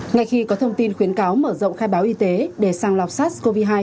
ngay khi có thông tin khuyến cáo mở rộng khai báo y tế để sàng lọc sars cov hai